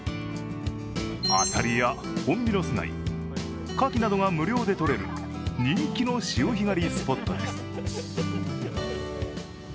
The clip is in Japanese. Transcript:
アサリやホンビノス貝カキなどが無料でとれる人気の潮干狩りスポットです。